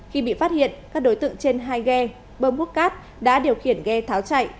khi bị phát hiện các đối tượng trên hai ghe bơm hút cát đã điều khiển ghe tháo chạy